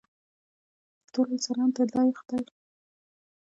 ټول انسانان د لوی خدای قوانینو په وړاندې برابر دي.